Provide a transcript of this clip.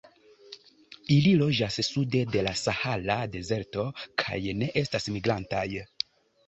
Ili loĝas sude de la Sahara Dezerto kaj ne estas migrantaj.